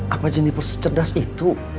apa jennifer secerdas itu